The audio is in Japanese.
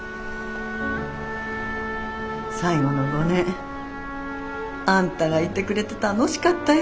最後の五年あんたがいてくれて楽しかったよ。